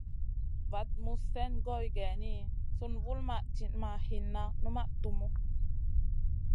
Vaɗ muzn slèn goy geyni, sùn vulmaʼ tinʼ ma hinna, numaʼ tumu.